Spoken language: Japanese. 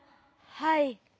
はい。